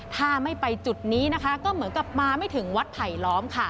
ถ้าไม่ไปจุดนี้นะคะก็เหมือนกับมาไม่ถึงวัดไผลล้อมค่ะ